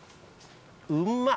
うんまっ。